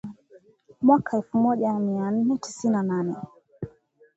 mwaka elfu moja miaa nne tisini na nane